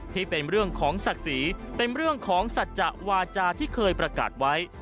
ที่เป็นเรื่องของศักดิ์ศรีเป็นเรื่องของสัจจะวาจาที่เคยประกาศไว้